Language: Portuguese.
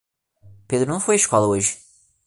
Pedro não foi à escola hoje.